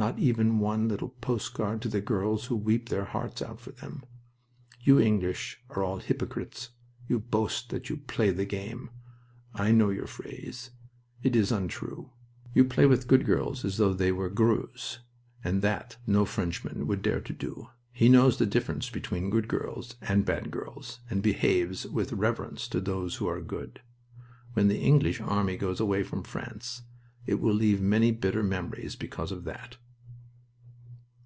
Not even one little post card to the girls who weep their hearts out for them! You English are all hypocrites. You boast that you 'play the game.' I know your phrase. It is untrue. "You play with good girls as though they were grues, and that no Frenchman would dare to do. He knows the difference between good girls and bad girls, and behaves, with reverence to those who are good. When the English army goes away from France it will leave many bitter memories because of that."